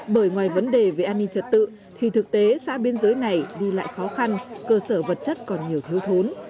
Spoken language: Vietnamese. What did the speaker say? bởi ngoài vấn đề về an ninh trật tự thì thực tế xã biên giới này đi lại khó khăn cơ sở vật chất còn nhiều thiếu thốn